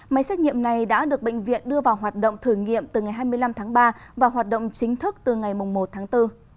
máy xét nghiệm này đã được bệnh viện đưa vào hoạt động thử nghiệm từ ngày hai mươi năm tháng ba và hoạt động chính thức từ ngày một tháng bốn